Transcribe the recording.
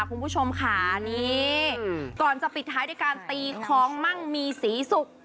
คุณผู้ชมค่ะนี่ก่อนจะปิดท้ายด้วยการตีของมั่งมีสีสุก